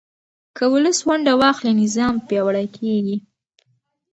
که ولس ونډه واخلي، نظام پیاوړی کېږي.